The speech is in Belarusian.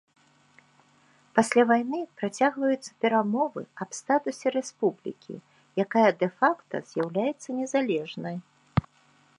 Пасля вайны працягваюцца перамовы аб статусе рэспублікі, якая дэ-факта з'яўляецца незалежнай.